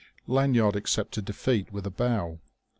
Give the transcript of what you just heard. Lanyard accepted defeat with a bow.